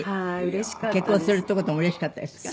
結婚するっていう事もうれしかったですか？